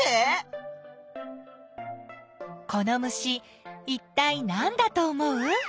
この虫いったいなんだと思う？